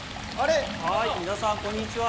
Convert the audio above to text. ・はいみなさんこんにちは！